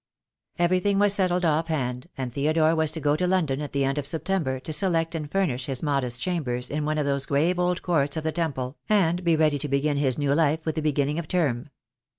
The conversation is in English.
Everything was settled off hand, and Theodore was to go to London at the end of September to select and furnish his modest chambers in one of those grave old courts of the Temple, and be ready to begin his new life with the beginning of term.